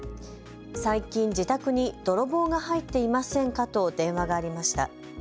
最近、自宅に泥棒が入っていませんかと電話がありました。